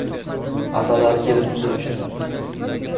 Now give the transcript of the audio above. Asalari keldi uchib